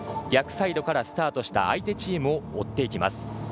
逆サイドからスタートした相手チームを追っていきます。